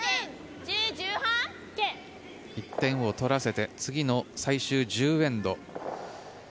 １点を取らせて次の最終１０エンド。